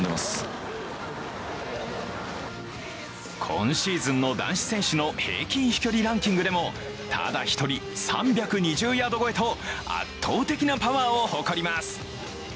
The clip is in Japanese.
今シーズンの男子選手の平均飛距離ランキングでもただ１人、３２０ヤード越えと圧倒的なパワーを誇ります。